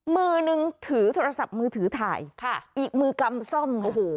มือนึงถือโทรศัพท์มือถือถ่ายค่ะอีกมือกำซ่อมโอ้โห